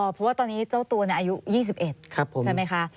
เพราะว่าตอนนี้เจ้าตัวอายุ๒๑ใช่ไหมคะ